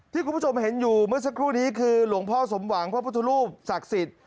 คุณผู้ชมเห็นอยู่เมื่อสักครู่นี้คือหลวงพ่อสมหวังพระพุทธรูปศักดิ์สิทธิ์